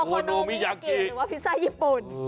หรือว่าพิซซ่าญี่ปุ่น